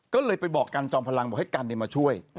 ก็เลยไปบอกกันจอมพลังบอกให้กันมาช่วย